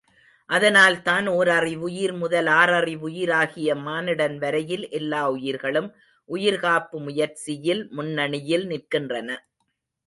அதனால்தான் ஓரறிவுயிர் முதல் ஆறறிவு உயிராகிய மானிடன் வரையில் எல்லா உயிர்களும் உயிர்காப்பு முயற்சியில் முன்னணியில் நிற்கின்றன.